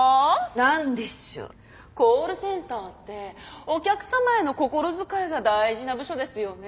コールセンターってお客様への心遣いが大事な部署ですよね？